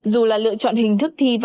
dù là lựa chọn hình thức thi